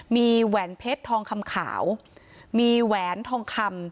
มีแหวนเพชรทองคำขาวมีแหวนทองคำ